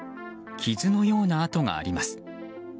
傷のような跡があります。